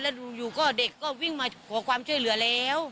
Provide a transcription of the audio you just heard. แล้วอยู่ก็เด็กก็วิ่งมาขอความช่วยเหลือแล้ว